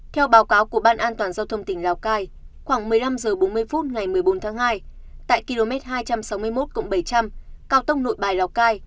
theo báo cáo của ban an toàn giao thông tỉnh lào cai khoảng một mươi năm h bốn mươi phút ngày một mươi bốn tháng hai tại km hai trăm sáu mươi một bảy trăm linh cao tốc nội bài lào cai